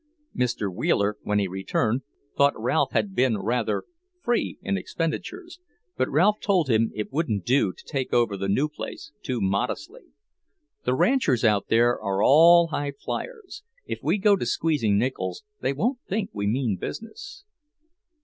Mr. Wheeler, when he returned, thought Ralph had been rather free in expenditures, but Ralph told him it wouldn't do to take over the new place too modestly. "The ranchers out there are all high fliers. If we go to squeezing nickels, they won't think we mean business."